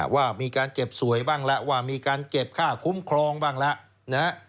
ว่ามีการเก็บสวยบ้างแล้วว่ามีการเก็บค่าคุ้มครองบ้างแล้วนะฮะ